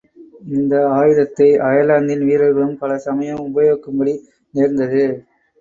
இந்த ஆயுதத்தை அயர்லாந்தின் வீரர்களும் பல சமயம் உபயோகிக்கும் படி நேர்ந்தது.